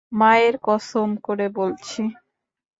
মায়ের কসম করে বলছি!